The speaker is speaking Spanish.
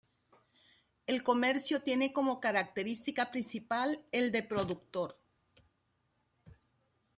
El comercio tiene como característica principal el de productor.